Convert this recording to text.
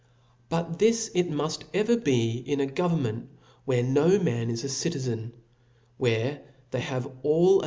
But thus it muft ever be in a government where voyages no man is a citizen \ where they have all a.